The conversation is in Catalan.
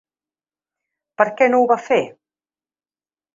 Per què no ho va fer?